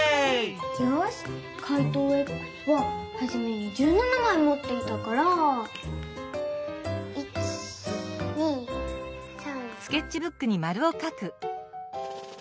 よし怪盗Ｘははじめに１７まいもっていたから１２３１６１７。